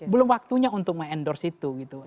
belum waktunya untuk mengendorse itu gitu